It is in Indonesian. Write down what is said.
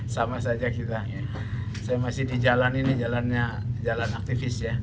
sama saja kita saya masih di jalan ini jalannya jalan aktivis ya